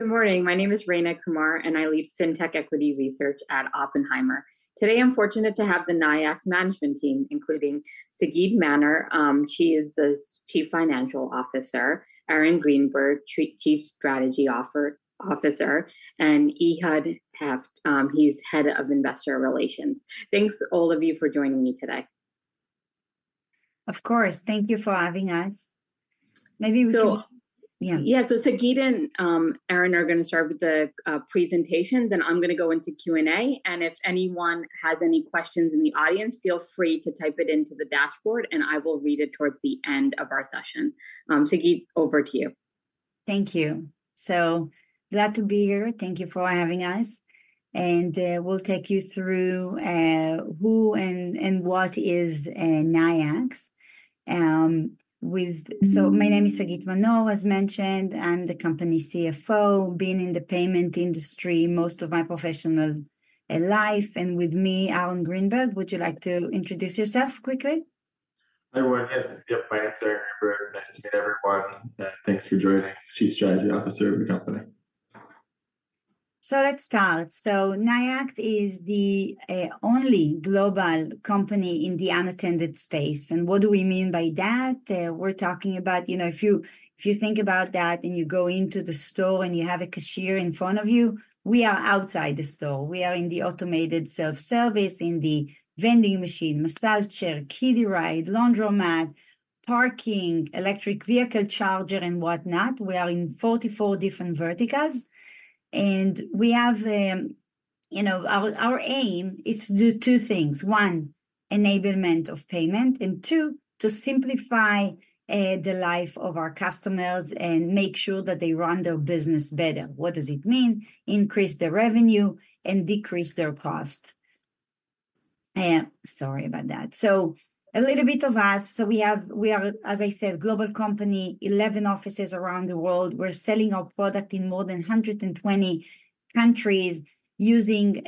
Good morning. My name is Rayna Kumar, and I lead Fintech Equity Research at Oppenheimer. Today, I'm fortunate to have the Nayax management team, including Sagit Manor, she is the Chief Financial Officer, Aaron Greenberg, Chief Strategy Officer, and Ehud Helft, he's Head of Investor Relations. Thanks, all of you, for joining me today. Of course. Thank you for having us. . Sagit and Aaron are gonna start with the presentation, then I'm going to go into Q&A, and if anyone has any questions in the audience, feel free to type it into the dashboard, and I will read it towards the end of our session. Sagit, over to you. Thank you. Glad to be here. Thank you for having us, and we'll take you through who and what is Nayax. My name is Sagit Manor, as mentioned. I'm the company CFO, been in the payment industry most of my professional life, and with me, Aaron Greenberg. Would you like to introduce yourself quickly? Hi, everyone. Yes, yeah, my name's Aaron Greenberg. Nice to meet everyone, thanks for joining. Chief Strategy Officer of the company. Let's start. Nayax is the only global company in the unattended space, and what do we mean by that? We're talking about if you, if you think about that, and you go into the store, and you have a cashier in front of you, we are outside the store. We are in the automated self-service, in the vending machine, massage chair, kiddie ride, laundromat, parking, electric vehicle charger, and whatnot. We are in 44 different verticals, and we have. Our, our aim is to do two things: one, enablement of payment, and two, to simplify the life of our customers and make sure that they run their business better. What does it mean? Increase their revenue and decrease their cost. Sorry about that. A little bit of us, so we have—we are, as I said, global company, 11 offices around the world. We're selling our product in more than 120 countries, using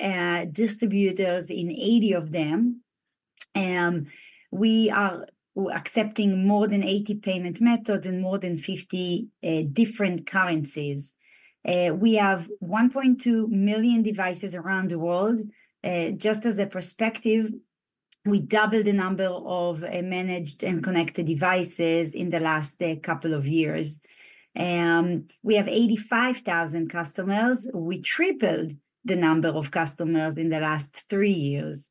distributors in 80 of them. We are accepting more than 80 payment methods in more than 50 different currencies. We have 1.2 million devices around the world. Just as a perspective, we doubled the number of managed and connected devices in the last couple of years. We have 85,000 customers. We tripled the number of customers in the last three years.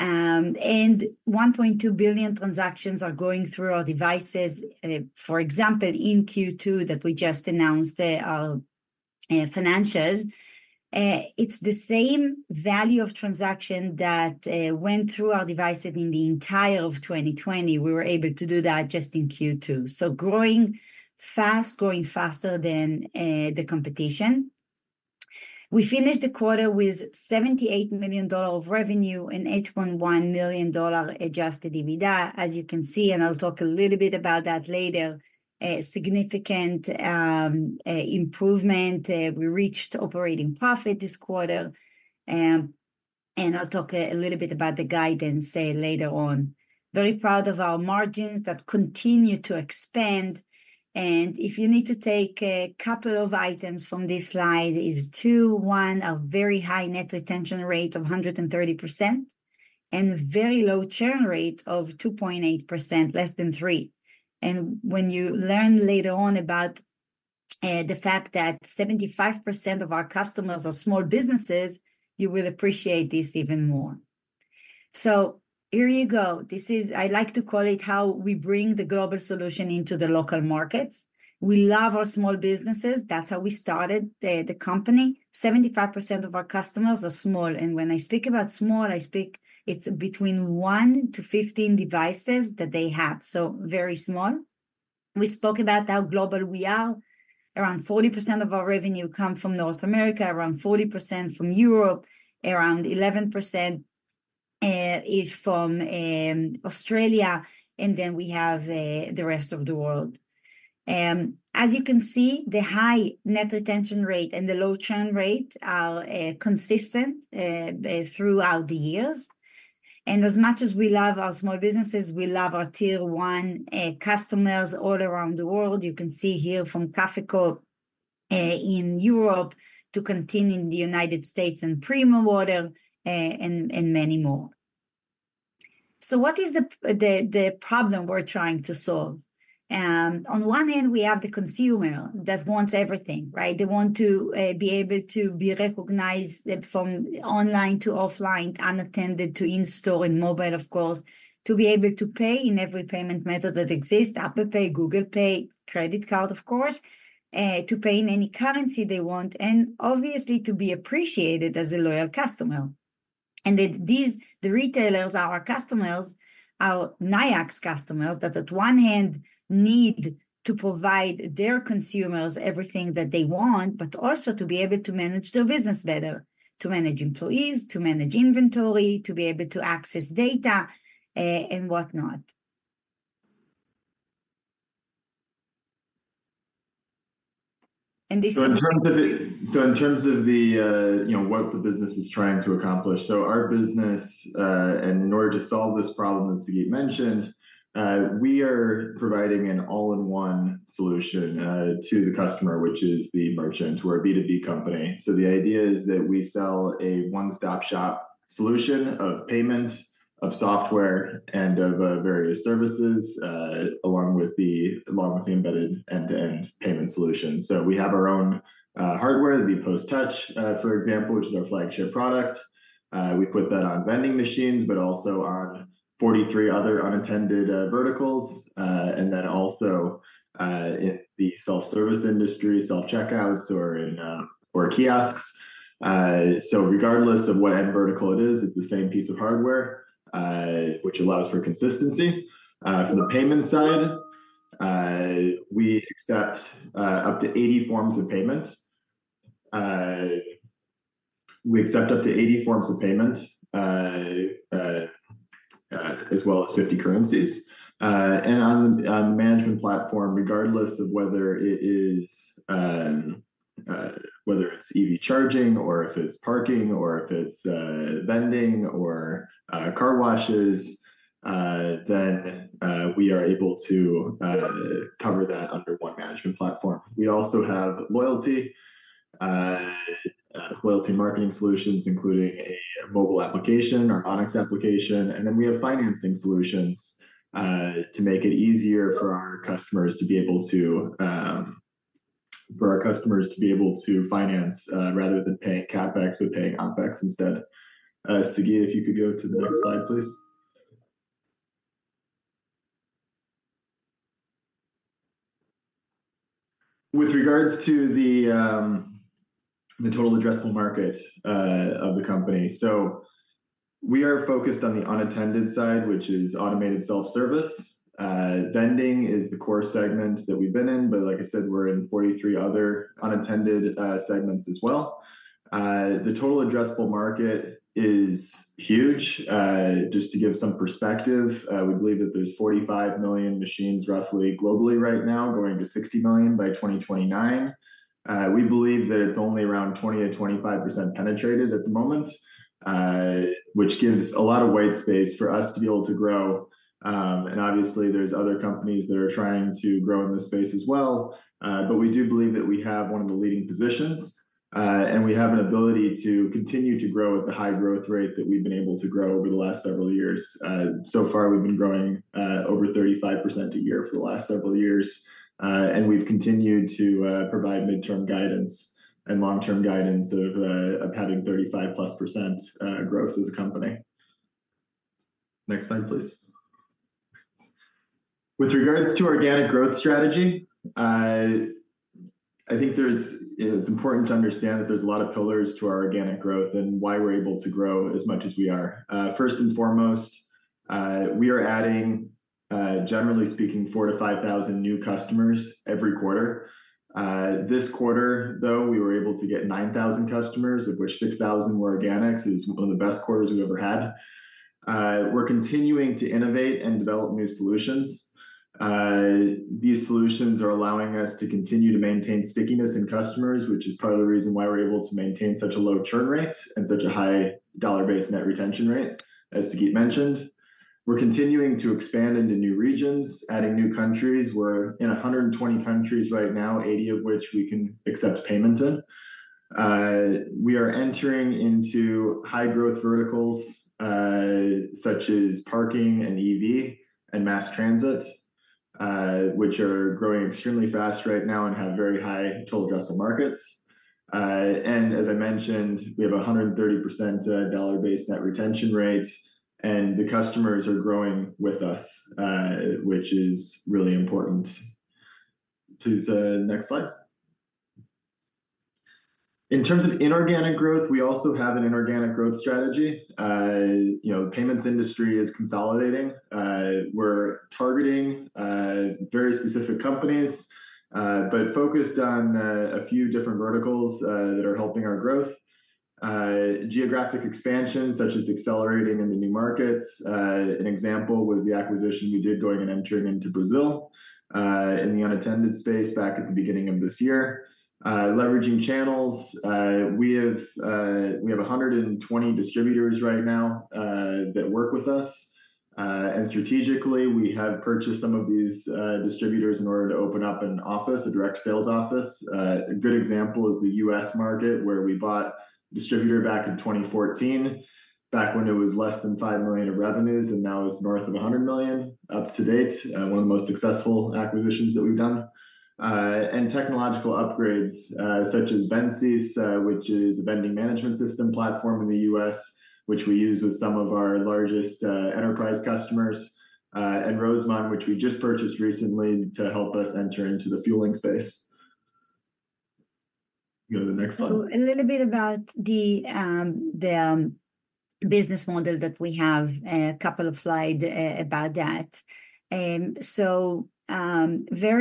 1.2 billion transactions are going through our devices. For example, in Q2, that we just announced, our financials, it's the same value of transaction that went through our devices in the entire of 2020. We were able to do that just in Q2, so growing fast, growing faster than the competition. We finished the quarter with $78 million of revenue and $8.1 million Adjusted EBITDA, as you can see, and I'll talk a little bit about that later, a significant improvement. We reached operating profit this quarter, and I'll talk a little bit about the guidance, say, later on. Very proud of our margins that continue to expand, and if you need to take a couple of items from this slide, is two, one, a very high net retention rate of 130%, and a very low churn rate of 2.8%, less than 3%. And when you learn later on about the fact that 75% of our customers are small businesses, you will appreciate this even more. Here you go. This is—I like to call it how we bring the global solution into the local markets. We love our small businesses. That's how we started the company. 75% of our customers are small, and when I speak about small, I speak it's between 1-15 devices that they have, so very small. We spoke about how global we are. Around 40% of our revenue come from North America, around 40% from Europe, around 11%, is from Australia, and then we have the rest of the world. As you can see, the high net retention rate and the low churn rate are throughout the years, and as much as we love our small businesses, we love our Tier 1 customers all around the world. You can see here from Caféco in Europe to Continental in the United States and Primo Water and many more. So what is the problem we're trying to solve? On one hand, we have the consumer that wants everything, right? They want to be able to be recognized from online to offline, unattended to in-store and mobile, of course. To be able to pay in every payment method that exists, Apple Pay, Google Pay, credit card, of course, to pay in any currency they want, and obviously, to be appreciated as a loyal customer. That these, the retailers, our customers, our Nayax customers, that on the one hand need to provide their consumers everything that they want, but also to be able to manage their business better, to manage employees, to manage inventory, to be able to access data, and whatnot. In terms of what the business is trying to accomplish, so our business and in order to solve this problem, as Sagit mentioned, we are providing an all-in-one solution to the customer, which is the merchant. We're a B2B company. The idea is that we sell a one-stop shop solution of payment, of software, and of various services, along with the embedded end-to-end payment solution. We have our own hardware, the VPOS Touch, for example, which is our flagship product. We put that on vending machines, but also on 43 other unattended verticals, and then also in the self-service industry, self-checkouts or in kiosks. Regardless of whatever vertical it is, it's the same piece of hardware, which allows for consistency. From the payment side, we accept up to 80 forms of payment. We accept up to 80 forms of payment, as well as 50 currencies. And on the management platform, regardless of whether it is, whether it's EV charging, or if it's parking, or if it's vending or car washes, then we are able to cover that under one management platform. We also have loyalty marketing solutions, including a mobile application, our Onyx application, and then we have financing solutions to make it easier for our customers to be able to for our customers to be able to finance, rather than paying CapEx, but paying OpEx instead. Sagit, if you could go to the next slide, please. With regards to the total addressable market of the company, so we are focused on the unattended side, which is automated self-service. Vending is the core segment that we've been in, but like I said, we're in 43 other unattended segments as well. The total addressable market is huge. Just to give some perspective, we believe that there's 45 million machines roughly globally right now, going to 60 million by 2029. We believe that it's only around 20%-25% penetrated at the moment, which gives a lot of white space for us to be able to grow. Obviously, there's other companies that are trying to grow in this space as well, but we do believe that we have one of the leading positions, and we have an ability to continue to grow at the high growth rate that we've been able to grow over the last several years. So far, we've been growing over 35% a year for the last several years, and we've continued to provide midterm guidance and long-term guidance of having 35%+ growth as a company. Next slide, please. With regards to organic growth strategy, I think it is important to understand that there's a lot of pillars to our organic growth and why we're able to grow as much as we are. First and foremost, we are adding, generally speaking, 4-5 thousand new customers every quarter. This quarter, though, we were able to get 9,000 customers, of which 6,000 were organics. It was 1 of the best quarters we've ever had. We're continuing to innovate and develop new solutions. These solutions are allowing us to continue to maintain stickiness in customers, which is part of the reason why we're able to maintain such a low churn rate and such a high dollar-based net retention rate, as Sagit mentioned. We're continuing to expand into new regions, adding new countries. We're in 120 countries right now, 80 of which we can accept payments in. We are entering into high growth verticals, such as parking and EV and mass transit, which are growing extremely fast right now and have very high total addressable markets. As I mentioned, we have 130% dollar-based net retention rates, and the customers are growing with us, which is really important. Please, next slide. In terms of inorganic growth, we also have an inorganic growth strategy. You know, the payments industry is consolidating. We're targeting very specific companies, but focused on a few different verticals that are helping our growth. Geographic expansion, such as accelerating into new markets. An example was the acquisition we did going and entering into Brazil, in the unattended space back at the beginning of this year. Leveraging channels, we have 120 distributors right now that work with us. Strategically, we have purchased some of these distributors in order to open up an office, a direct sales office. A good example is the U.S. market, where we bought a distributor back in 2014, back when it was less than $5 million in revenues, and now it's north of $100 million to date. One of the most successful acquisitions that we've done. Technological upgrades, such as VendSys, which is a vending management system platform in the U.S., which we use with some of our largest enterprise customers, and Roseman, which we just purchased recently to help us enter into the fueling space. Go to the next slide. A little bit about the business model that we have, a couple of slides about that. Very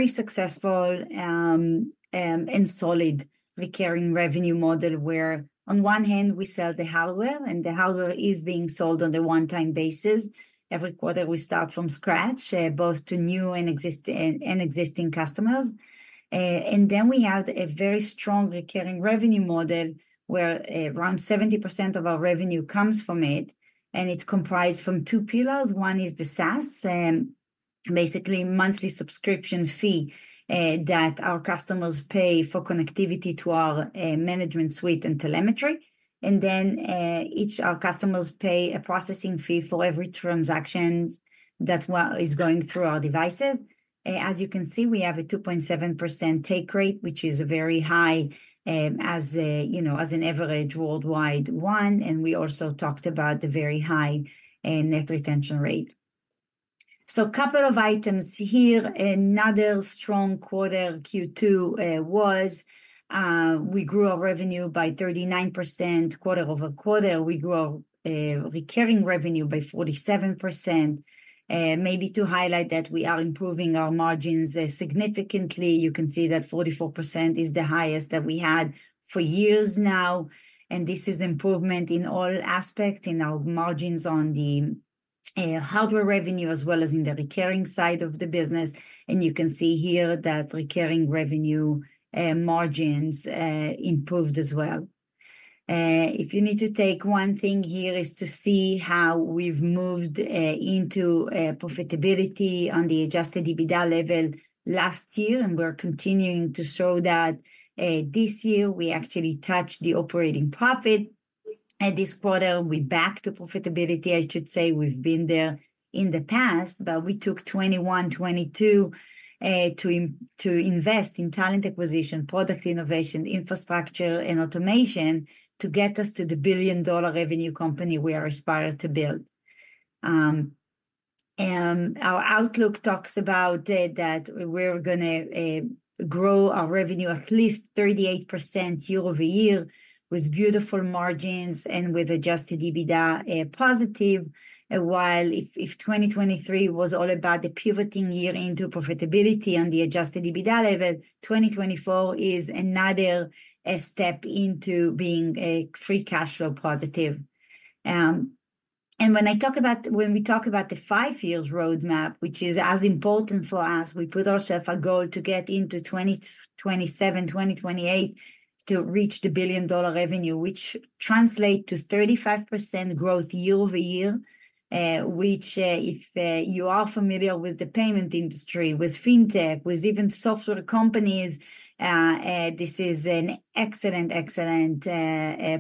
successful and solid recurring revenue model, where on one hand, we sell the hardware, and the hardware is being sold on a one-time basis. Every quarter, we start from scratch, both to new and existing customers. And then we have a very strong recurring revenue model, where around 70% of our revenue comes from it, and it's comprised from two pillars. One is the SaaS basically monthly subscription fee that our customers pay for connectivity to our management suite and telemetry. Then each our customers pay a processing fee for every transaction that is going through our devices. As you can see, we have a 2.7% take rate, which is very high, as a, you know, as an average worldwide one, and we also talked about the very high, net retention rate. Couple of items here. Another strong quarter, Q2, was, we grew our revenue by 39% quarter-over-quarter. We grew our, recurring revenue by 47%. Maybe to highlight that we are improving our margins, significantly. You can see that 44% is the highest that we had for years now, and this is improvement in all aspects, in our margins on the, hardware revenue, as well as in the recurring side of the business, and you can see here that recurring revenue, margins, improved as well. If you need to take one thing here is to see how we've moved into profitability on the Adjusted EBITDA level last year, and we're continuing to show that this year. We actually touched the operating profit. This quarter, we're back to profitability. I should say we've been there in the past, but we took 2021, 2022 to invest in talent acquisition, product innovation, infrastructure, and automation to get us to the billion-dollar revenue company we are aspired to build. And our outlook talks about that we're gonna grow our revenue at least 38% year-over-year, with beautiful margins and with Adjusted EBITDA positive. While if 2023 was all about the pivoting year into profitability on the Adjusted EBITDA level, 2024 is another step into being a free cash flow positive. When we talk about the 5-year roadmap, which is as important for us, we put ourselves a goal to get into 2027, 2028, to reach the billion-dollar revenue, which translates to 35% growth year-over-year. Which, if you are familiar with the payment industry, with fintech, with even software companies, this is an excellent, excellent,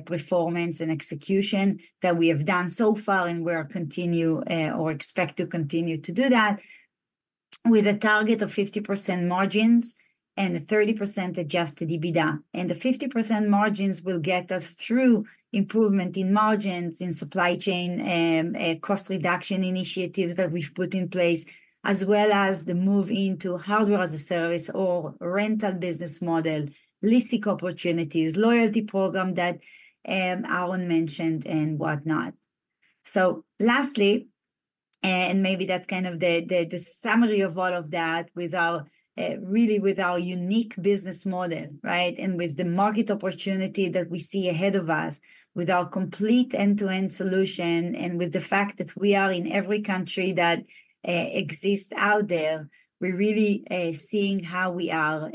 performance and execution that we have done so far, and we are continuing, or expect to continue to do that, with a target of 50% margins and a 30% adjusted EBITDA. The 50% margins will get us through improvement in margins, in supply chain, cost reduction initiatives that we've put in place, as well as the move into Hardware as a Service or rental business model, leasing opportunities, loyalty program that Aaron mentioned, and whatnot. Lastly, and maybe that's the summary of all of that, with our really with our unique business model, right? With the market opportunity that we see ahead of us, with our complete end-to-end solution, and with the fact that we are in every country that exists out there, we're really seeing how we are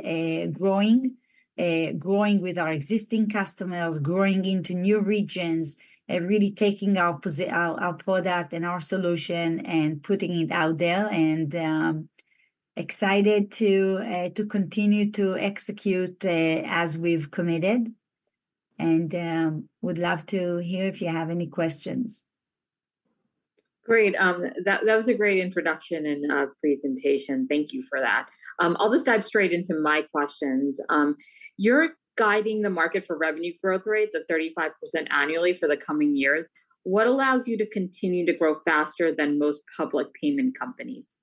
growing, growing with our existing customers, growing into new regions, really taking our product and our solution and putting it out there, and excited to continue to execute as we've committed, and would love to hear if you have any questions. Great. That was a great introduction and presentation. Thank you for that. I'll just dive straight into my questions. You're guiding the market for revenue growth rates of 35% annually for the coming years. What allows you to continue to grow faster than most public payment companies?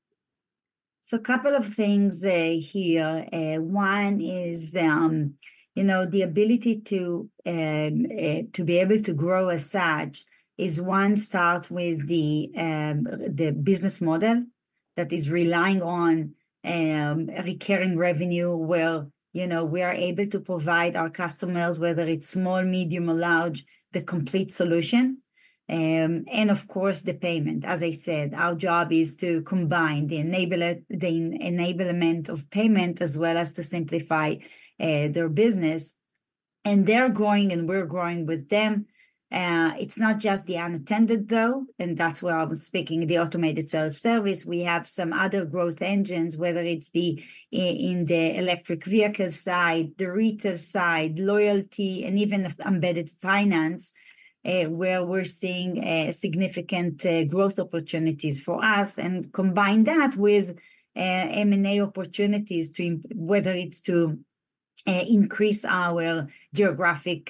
A couple of things, here. One is the ability to be able to grow as such is, one, start with the, the business model that is relying on, recurring revenue, where, you know, we are able to provide our customers, whether it's small, medium, or large, the complete solution, and of course, the payment. As I said, our job is to combine the enablement of payment, as well as to simplify, their business, and they're growing, and we're growing with them. It's not just the unattended, though, and that's where I was speaking, the automated self-service. We have some other growth engines, whether it's in the electric vehicle side, the retail side, loyalty, and even embedded finance, where we're seeing, significant, growth opportunities for us. Combine that with M&A opportunities to whether it's to increase our geographic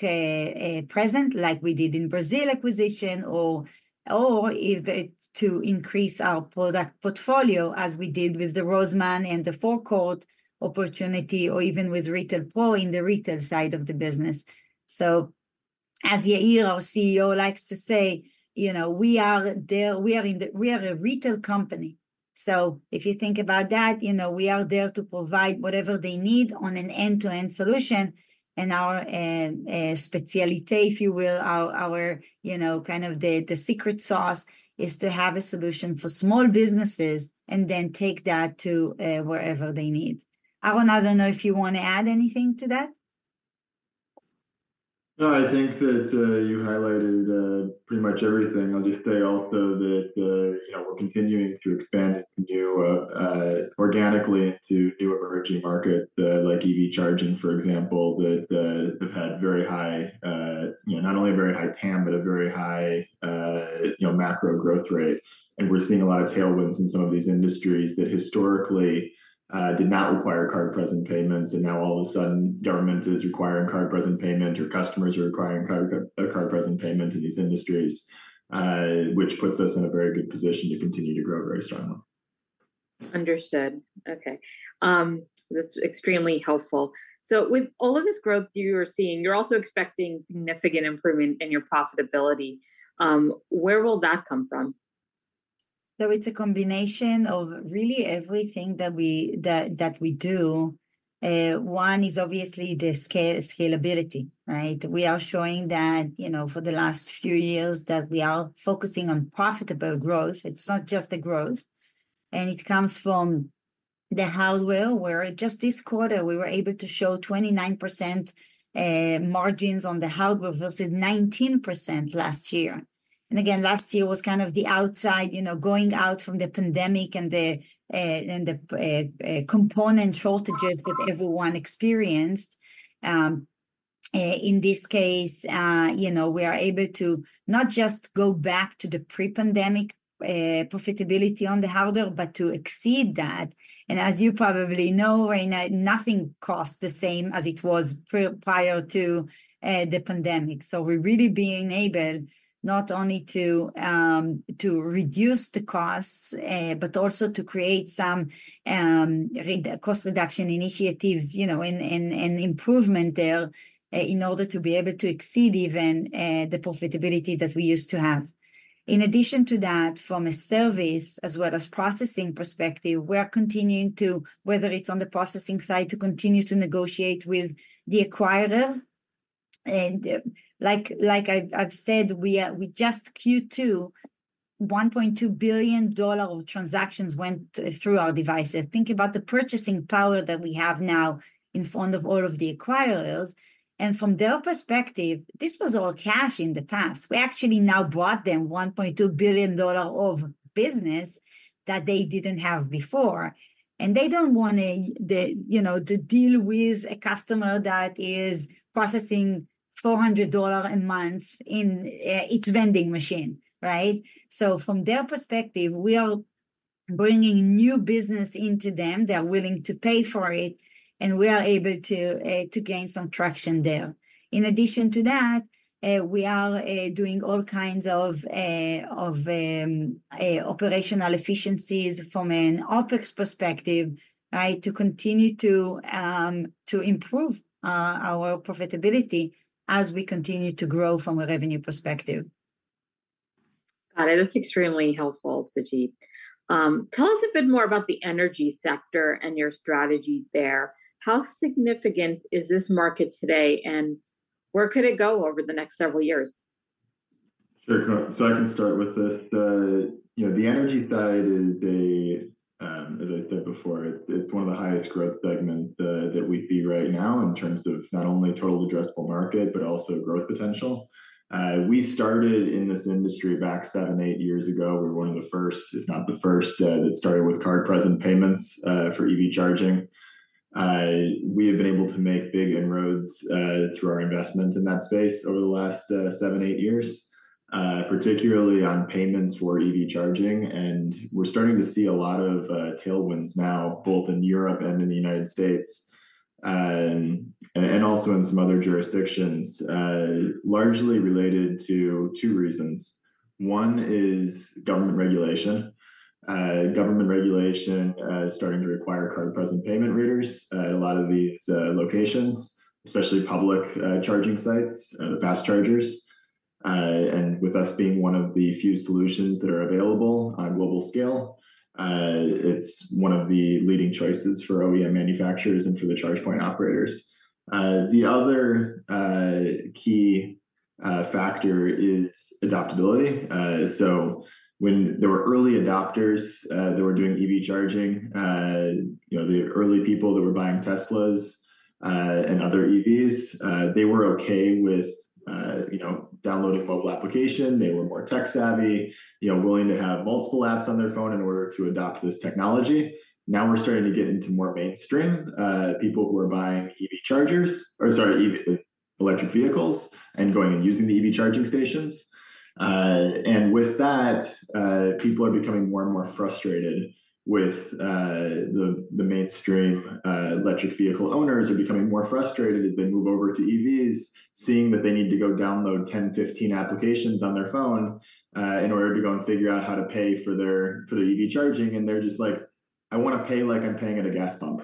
presence, like we did in Brazil acquisition, or if it's to increase our product portfolio, as we did with the Roseman and the Forecourt opportunity, or even with Retail Pro in the retail side of the business. As Yair, our CEO, likes to say, you know, we are there. We are in the-- we are a retail company. If you think about that, you know, we are there to provide whatever they need on an end-to-end solution, and our specialty, if you will, our the secret sauce, is to have a solution for small businesses and then take that to wherever they need. Aaron, I don't know if you want to add anything to that? No, I think that you highlighted pretty much everything. I'll just say also that, you know, we're continuing to expand organically into new emerging market, like EV charging, for example, that have had very high, you know, not only a very high TAM, but a very high macro growth rate. And we're seeing a lot of tailwinds in some of these industries that historically did not require card-present payments, and now all of a sudden, government is requiring card-present payment, or customers are requiring card-present payment in these industries, which puts us in a very good position to continue to grow very strongly. Understood. Okay. That's extremely helpful. With all of this growth you are seeing, you're also expecting significant improvement in your profitability. Where will that come from? It's a combination of really everything that we do. One is obviously the scalability, right? We are showing that, you know, for the last few years, that we are focusing on profitable growth. It's not just the growth, and it comes from the hardware, where just this quarter, we were able to show 29% margins on the hardware versus 19% last year. Again, last year was the outside, you know, going out from the pandemic and the component shortages that everyone experienced. In this case, we are able to not just go back to the pre-pandemic profitability on the hardware, but to exceed that. As you probably know, Rayna, nothing costs the same as it was prior to the pandemic. We're really being able not only to reduce the costs, but also to create some cost reduction initiatives, you know, and improvement there, in order to be able to exceed even the profitability that we used to have. In addition to that, from a service as well as processing perspective, we are continuing to, whether it's on the processing side, to continue to negotiate with the acquirers. Like I've said, we are with just Q2, $1.2 billion of transactions went through our devices. Think about the purchasing power that we have now in front of all of the acquirers, and from their perspective, this was all cash in the past. We actually now brought them $1.2 billion of business that they didn't have before, and they don't wanna the, you know, to deal with a customer that is processing $400 a month in its vending machine, right? From their perspective, we are bringing new business into them. They're willing to pay for it, and we are able to to gain some traction there. In addition to that, we are doing all kinds of of operational efficiencies from an OpEx perspective, right? To continue to to improve our profitability as we continue to grow from a revenue perspective. Got it. That's extremely helpful, Tsachit. Tell us a bit more about the energy sector and your strategy there. How significant is this market today, and where could it go over the next several years? I can start with this. The, you know, the energy side is, as I said before, it's one of the highest growth segment that we see right now in terms of not only total addressable market, but also growth potential. We started in this industry back 7-8 years ago. We were one of the first, if not the first, that started with card-present payments for EV charging. We have been able to make big inroads through our investment in that space over the last 7-8 years, particularly on payments for EV charging. And we're starting to see a lot of tailwinds now, both in Europe and in the United States, and also in some other jurisdictions, largely related to two reasons. One is government regulation. Government regulation is starting to require card-present payment readers at a lot of these locations, especially public charging sites, fast chargers. And with us being one of the few solutions that are available on global scale, it's one of the leading choices for OEM manufacturers and for the charge point operators. The other key factor is adaptability. When there were early adopters that were doing EV charging, you know, the early people that were buying Teslas and other EVs, they were okay with downloading mobile application. They were more tech-savvy willing to have multiple apps on their phone in order to adopt this technology. Now, we're starting to get into more mainstream people who are buying EV chargers... or sorry, EV, electric vehicles and going and using the EV charging stations. With that, people are becoming more and more frustrated with the mainstream. Electric vehicle owners are becoming more frustrated as they move over to EVs, seeing that they need to go download 10, 15 applications on their phone, in order to go and figure out how to pay for their EV charging, and they're just like: "I wanna pay like I'm paying at a gas pump,"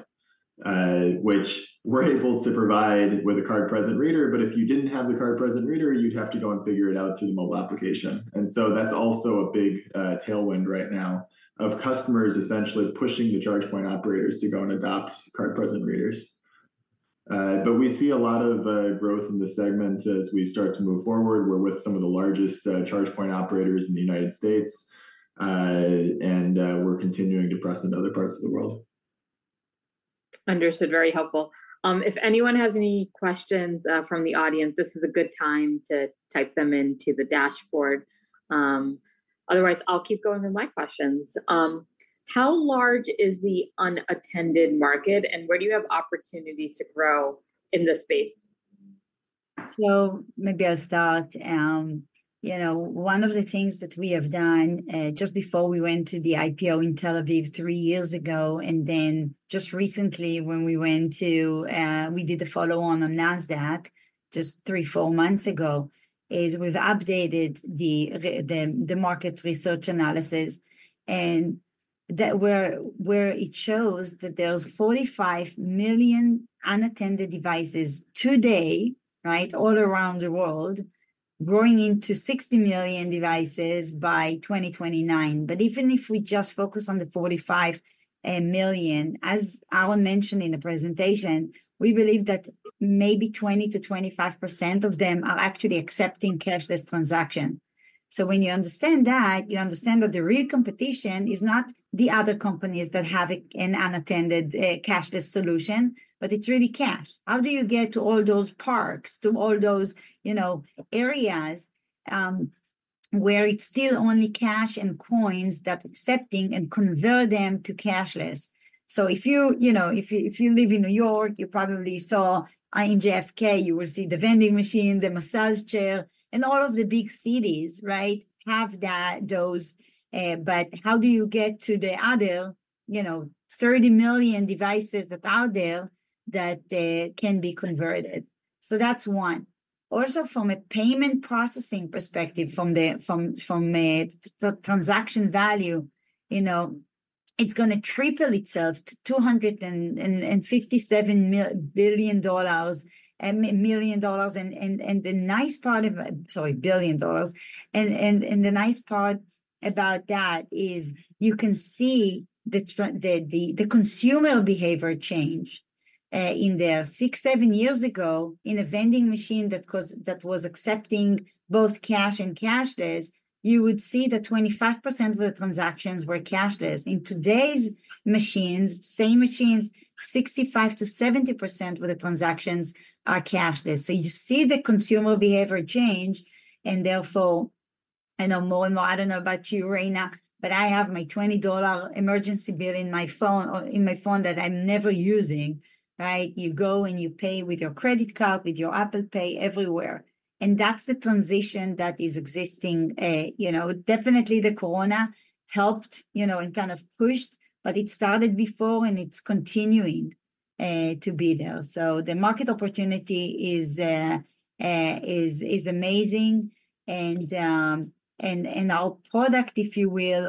which we're able to provide with a Card-Present reader, but if you didn't have the Card-Present reader, you'd have to go and figure it out through the mobile application. And so that's also a big tailwind right now of customers essentially pushing the Charge Point Operators to go and adopt Card-Present readers. We see a lot of growth in the segment as we start to move forward. We're with some of the largest charge point operators in the United States. We're continuing to press in other parts of the world. Understood. Very helpful. If anyone has any questions from the audience, this is a good time to type them into the dashboard. Otherwise, I'll keep going with my questions. How large is the unattended market, and where do you have opportunities to grow in this space? Maybe I'll start. One of the things that we have done, just before we went to the IPO in Tel Aviv three years ago, and then just recently when we went to, we did the follow-on on NASDAQ just 3-4 months ago, is we've updated the market research analysis, and that, where it shows that there's 45 million unattended devices today, right? All around the world, growing into 60 million devices by 2029. Even if we just focus on the 45 million, as Aaron mentioned in the presentation, we believe that maybe 20%-25% of them are actually accepting cashless transaction. When you understand that, you understand that the real competition is not the other companies that have an unattended cashless solution, but it's really cash. How do you get to all those parks, to all those, you know, areas, where it's still only cash and coins that accepting and convert them to cashless? So if you, you know, if you, if you live in New York, you probably saw in JFK, you will see the vending machine, the massage chair, and all of the big cities, right, have that, those. But how do you get to the other, you know, 30 million devices that are there that can be converted? That's one. Also, from a payment processing perspective, from the, from, from a the transaction value, you know, it's gonna triple itself to $257 billion. The nice part of it, sorry billion dollars. The nice part about that is you can see the trend, the consumer behavior change. In there 6-7 years ago, in a vending machine that was accepting both cash and cashless, you would see that 25% of the transactions were cashless. In today's machines, same machines, 65%-70% of the transactions are cashless. So you see the consumer behavior change, and therefore, I know more and more, I don't know about you, Rayna, but I have my $20 emergency bill in my phone or in my phone that I'm never using, right? You go, and you pay with your credit card, with your Apple Pay everywhere, and that's the transition that is existing. You know, definitely the corona helped, you know, and pushed, but it started before, and it's continuing to be there. The market opportunity is amazing, and our product, if you will,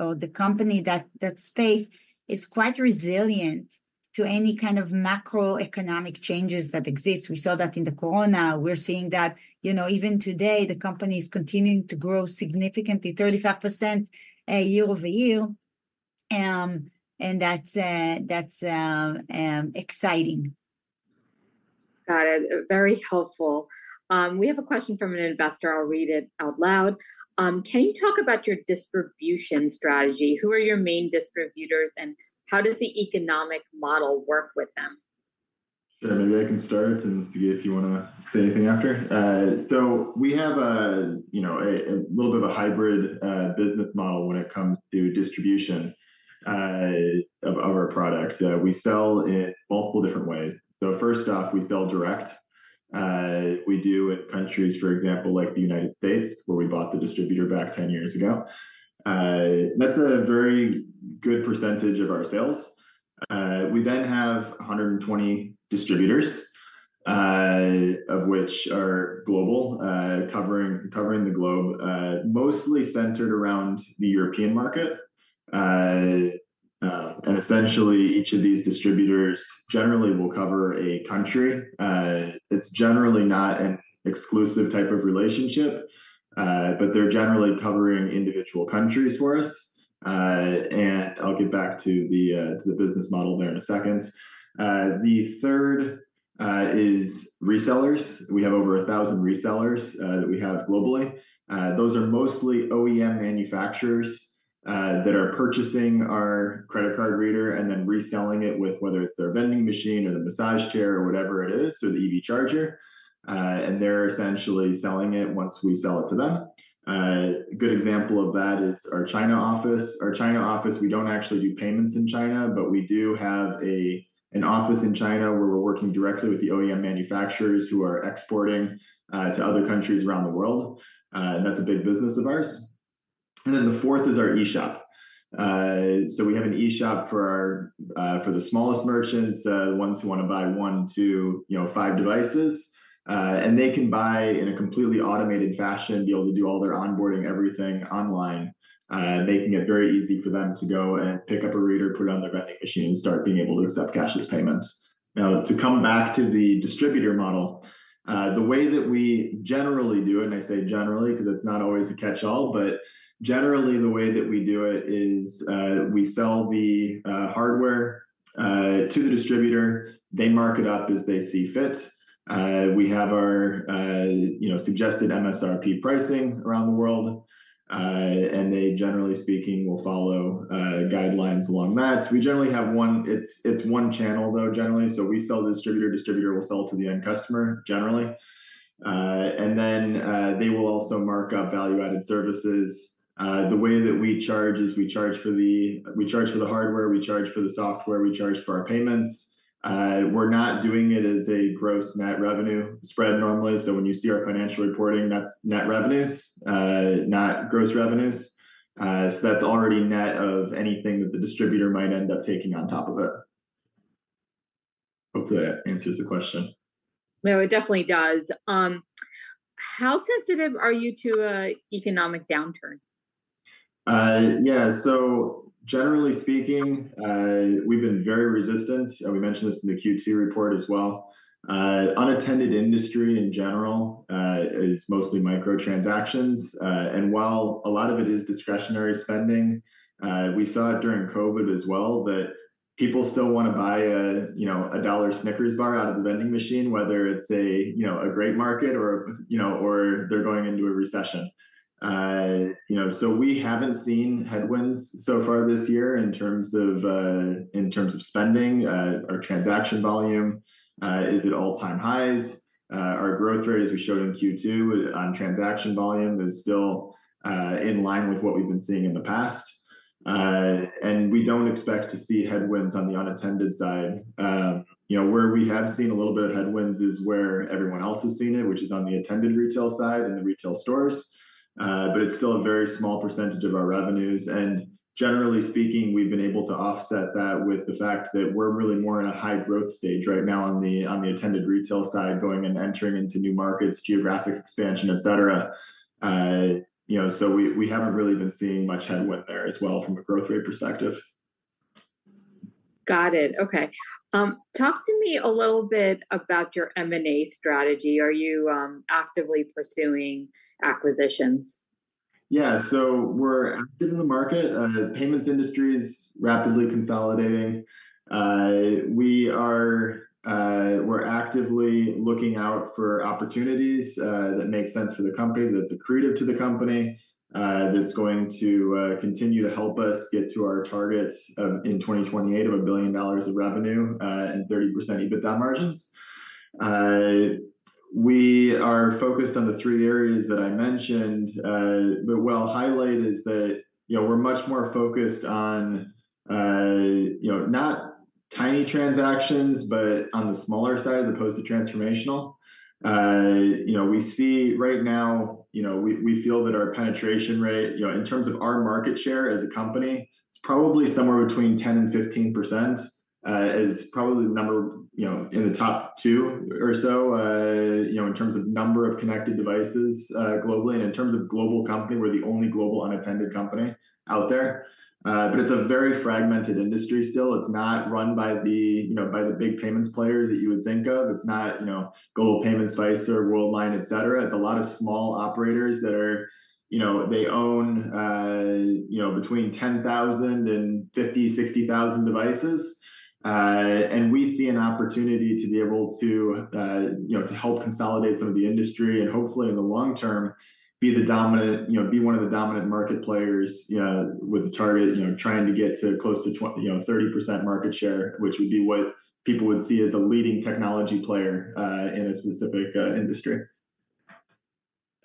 or the company in that space, is quite resilient to any macroeconomic changes that exist. We saw that in the corona. We're seeing that even today, the company is continuing to grow significantly, 35% year-over-year. That's exciting. Got it. Very helpful. We have a question from an investor. I'll read it out loud. Can you talk about your distribution strategy? Who are your main distributors, and how does the economic model work with them? Sure, maybe I can start, and Sagi, if you wanna say anything after. We have, you know, a little bit of a hybrid business model when it comes to distribution of our product. We sell in multiple different ways. First off, we sell direct. We do it in countries, for example, like the United States, where we bought the distributor back 10 years ago. That's a very good percentage of our sales. We then have 120 distributors, of which are global, covering the globe, mostly centered around the European market. Essentially, each of these distributors generally will cover a country. It's generally not an exclusive type of relationship, but they're generally covering individual countries for us. I'll get back to the business model there in a second. The third is resellers. We have over 1,000 resellers that we have globally. Those are mostly OEM manufacturers that are purchasing our credit card reader and then reselling it with whether it's their vending machine or the massage chair or whatever it is, or the EV charger. They're essentially selling it once we sell it to them. A good example of that is our China office. Our China office, we don't actually do payments in China, but we do have an office in China, where we're working directly with the OEM manufacturers who are exporting to other countries around the world. That's a big business of ours. Then the fourth is our e-shop. We have an e-shop for our, for the smallest merchants, the ones who want to buy 1-5 devices. They can buy in a completely automated fashion, be able to do all their onboarding, everything online, making it very easy for them to go and pick up a reader, put it on their vending machine, and start being able to accept cashless payments. Now, to come back to the distributor model, the way that we generally do it, and I say generally, 'cause it's not always a catch-all, but generally, the way that we do it is, we sell the hardware to the distributor. They mark it up as they see fit. We have our, you know, suggested MSRP pricing around the world. They, generally speaking, will follow guidelines along that. We generally have one – it's one channel, though, generally. We sell to the distributor, distributor will sell to the end customer, generally. And then, they will also mark up value-added services. The way that we charge is we charge for the hardware, we charge for the software, we charge for our payments. We're not doing it as a gross net revenue spread normally. when you see our financial reporting, that's net revenues, not gross revenues. That's already net of anything that the distributor might end up taking on top of it. Hope that answers the question. No, it definitely does. How sensitive are you to an economic downturn? Yeah, so generally speaking, we've been very resistant, and we mentioned this in the Q2 report as well. Unattended industry, in general, is mostly micro transactions. While a lot of it is discretionary spending, we saw it during COVID as well, that people still want to buy a, you know, a $1 Snickers bar out of a vending machine, whether it's a great market or they're going into a recession. We haven't seen headwinds so far this year in terms of, in terms of spending. Our transaction volume is at all-time highs. Our growth rate, as we showed in Q2, on transaction volume is still, in line with what we've been seeing in the past. We don't expect to see headwinds on the unattended side. Where we have seen a little bit of headwinds is where everyone else has seen it, which is on the attended retail side and the retail stores. It's still a very small percentage of our revenues, and generally speaking, we've been able to offset that with the fact that we're really more in a high-growth stage right now on the, on the attended retail side, going and entering into new markets, geographic expansion, et cetera. We haven't really been seeing much headwind there as well from a growth rate perspective. Got it. Okay. Talk to me a little bit about your M&A strategy. Are you actively pursuing acquisitions? We're active in the market. The payments industry is rapidly consolidating. We're actively looking out for opportunities that make sense for the company, that's accretive to the company, that's going to continue to help us get to our targets in 2028 of $1 billion of revenue and 30% EBITDA margins. We are focused on the three areas that I mentioned. What I'll highlight is that, you know, we're much more focused on, you know, not tiny transactions, but on the smaller side as opposed to transformational. We see right now, we feel that our penetration rate, you know, in terms of our market share as a company, it's probably somewhere between 10%-15%. Is probably the number, you know, in the top 2 or so in terms of number of connected devices, globally. In terms of global company, we're the only global unattended company out there. It's a very fragmented industry still. It's not run by the, you know, by the big payments players that you would think of. It's not, you know, Global Payments, Visa, Worldline, et cetera. It's a lot of small operators that are, you know, they own, you know, between 10,000 and 50,000-60,000 devices. We see an opportunity to be able to to help consolidate some of the industry and hopefully in the long term, be one of the dominant market players with the target, trying to get to close to 30% market share, which would be what people would see as a leading technology player in a specific industry.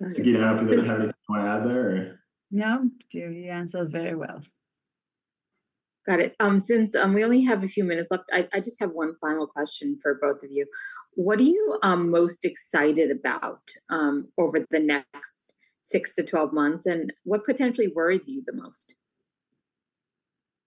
Sagit, do you have anything you want to add there or? No, you answered very well. Got it. Since we only have a few minutes left, I just have one final question for both of you. What are you most excited about over the next 6-12 months, and what potentially worries you the most?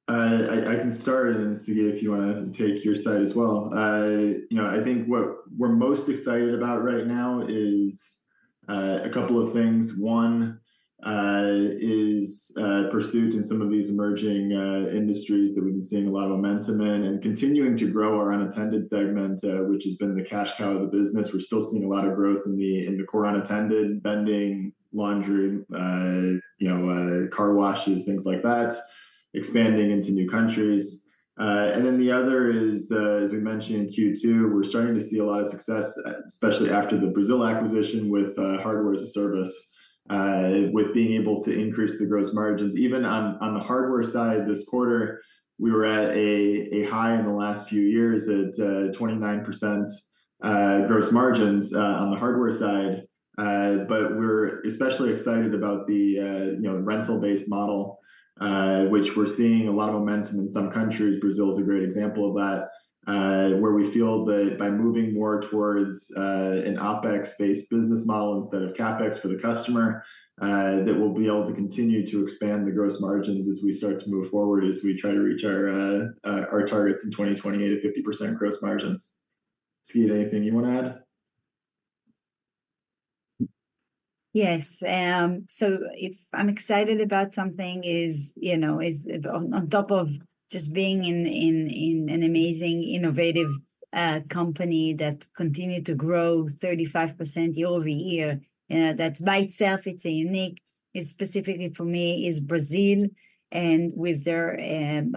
I can start and, Sagit, if you wanna take your side as well. I think what we're most excited about right now is a couple of things. One is pursuit in some of these emerging industries that we've been seeing a lot of momentum in, and continuing to grow our unattended segment, which has been the cash cow of the business. We're still seeing a lot of growth in the core unattended, vending, laundry, you know, car washes, things like that, expanding into new countries. Then the other is, as we mentioned in Q2, we're starting to see a lot of success, especially after the Brazil acquisition with Hardware as a Service, with being able to increase the gross margins. Even on the hardware side, this quarter, we were at a high in the last few years at 29% gross margins on the hardware side. But we're especially excited about the, you know, rental-based model, which we're seeing a lot of momentum in some countries. Brazil is a great example of that, where we feel that by moving more towards an OpEx-based business model instead of CapEx for the customer, that we'll be able to continue to expand the gross margins as we start to move forward, as we try to reach our targets in 2028 of 50% gross margins. Sagit, anything you want to add? Yes. So if I'm excited about something is, you know, is on, on top of just being in, in, in an amazing, innovative, company that continued to grow 35% year-over-year, that by itself, it's a unique specifically for me, is Brazil, and with their,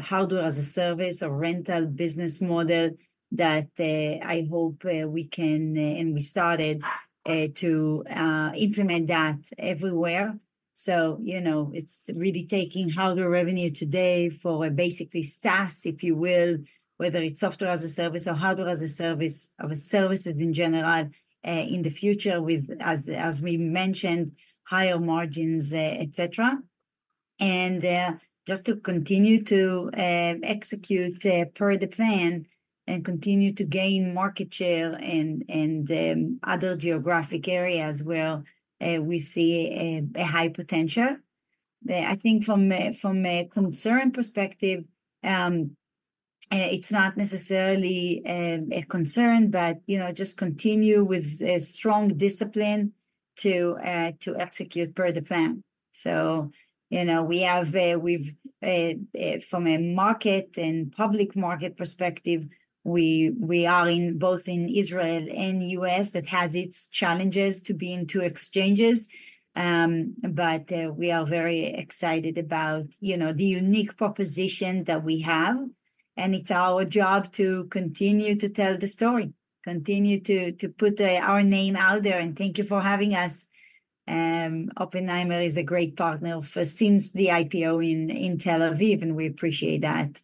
hardware as a service or rental business model that, I hope, we can, and we started, to, implement that everywhere. It's really taking hardware revenue today for basically SaaS, if you will, whether it's software as a service or hardware as a service, or services in general, in the future, with as, as we mentioned, higher margins, et cetera. And, just to continue to, execute, per the plan and continue to gain market share in, in, other geographic areas where, we see a, a high potential. I think from a concern perspective, it's not necessarily a concern, but you know, just continue with a strong discipline to execute per the plan. From a market and public market perspective, we are in both in Israel and U.S. That has its challenges to be in two exchanges. We are very excited about, the unique proposition that we have, and it's our job to continue to tell the story, continue to put our name out there, and thank you for having us. Oppenheimer is a great partner for since the IPO in Tel Aviv, and we appreciate that.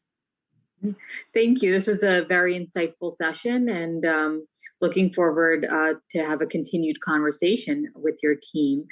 Thank you. This was a very insightful session and, looking forward, to have a continued conversation with your team.